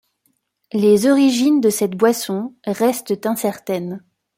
Les origines de cette boisson restent incertaines.